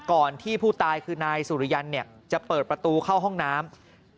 ก่อนที่ผู้ตายคือนายสุริยันจะเปิดประตูเข้าห้องน้ำ